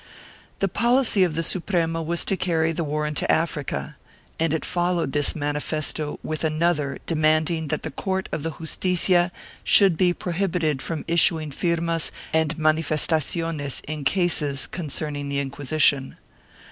1 The policy of the Suprema was to carry the war into Africa, and it followed this manifesto with another demanding that the court of the Justicia should be prohibited from issuing firmas and manifestaciones in cases concerning the Inquisition.